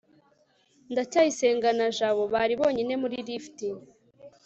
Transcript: ndacyayisenga na jabo bari bonyine muri lift